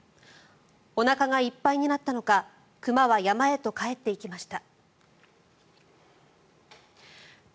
おなかがいっぱいになったのか熊は山へと帰っていきました。